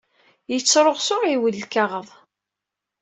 Yettṛuɣ s uɣiwel lkaɣeḍ.